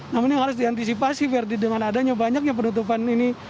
namun yang harus diantisipasi verdi dengan adanya banyaknya penutupan ini